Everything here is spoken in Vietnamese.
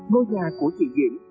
ngôi nhà của chị diễm